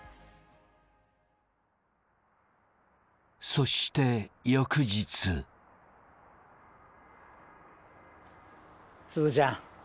そしてすずちゃん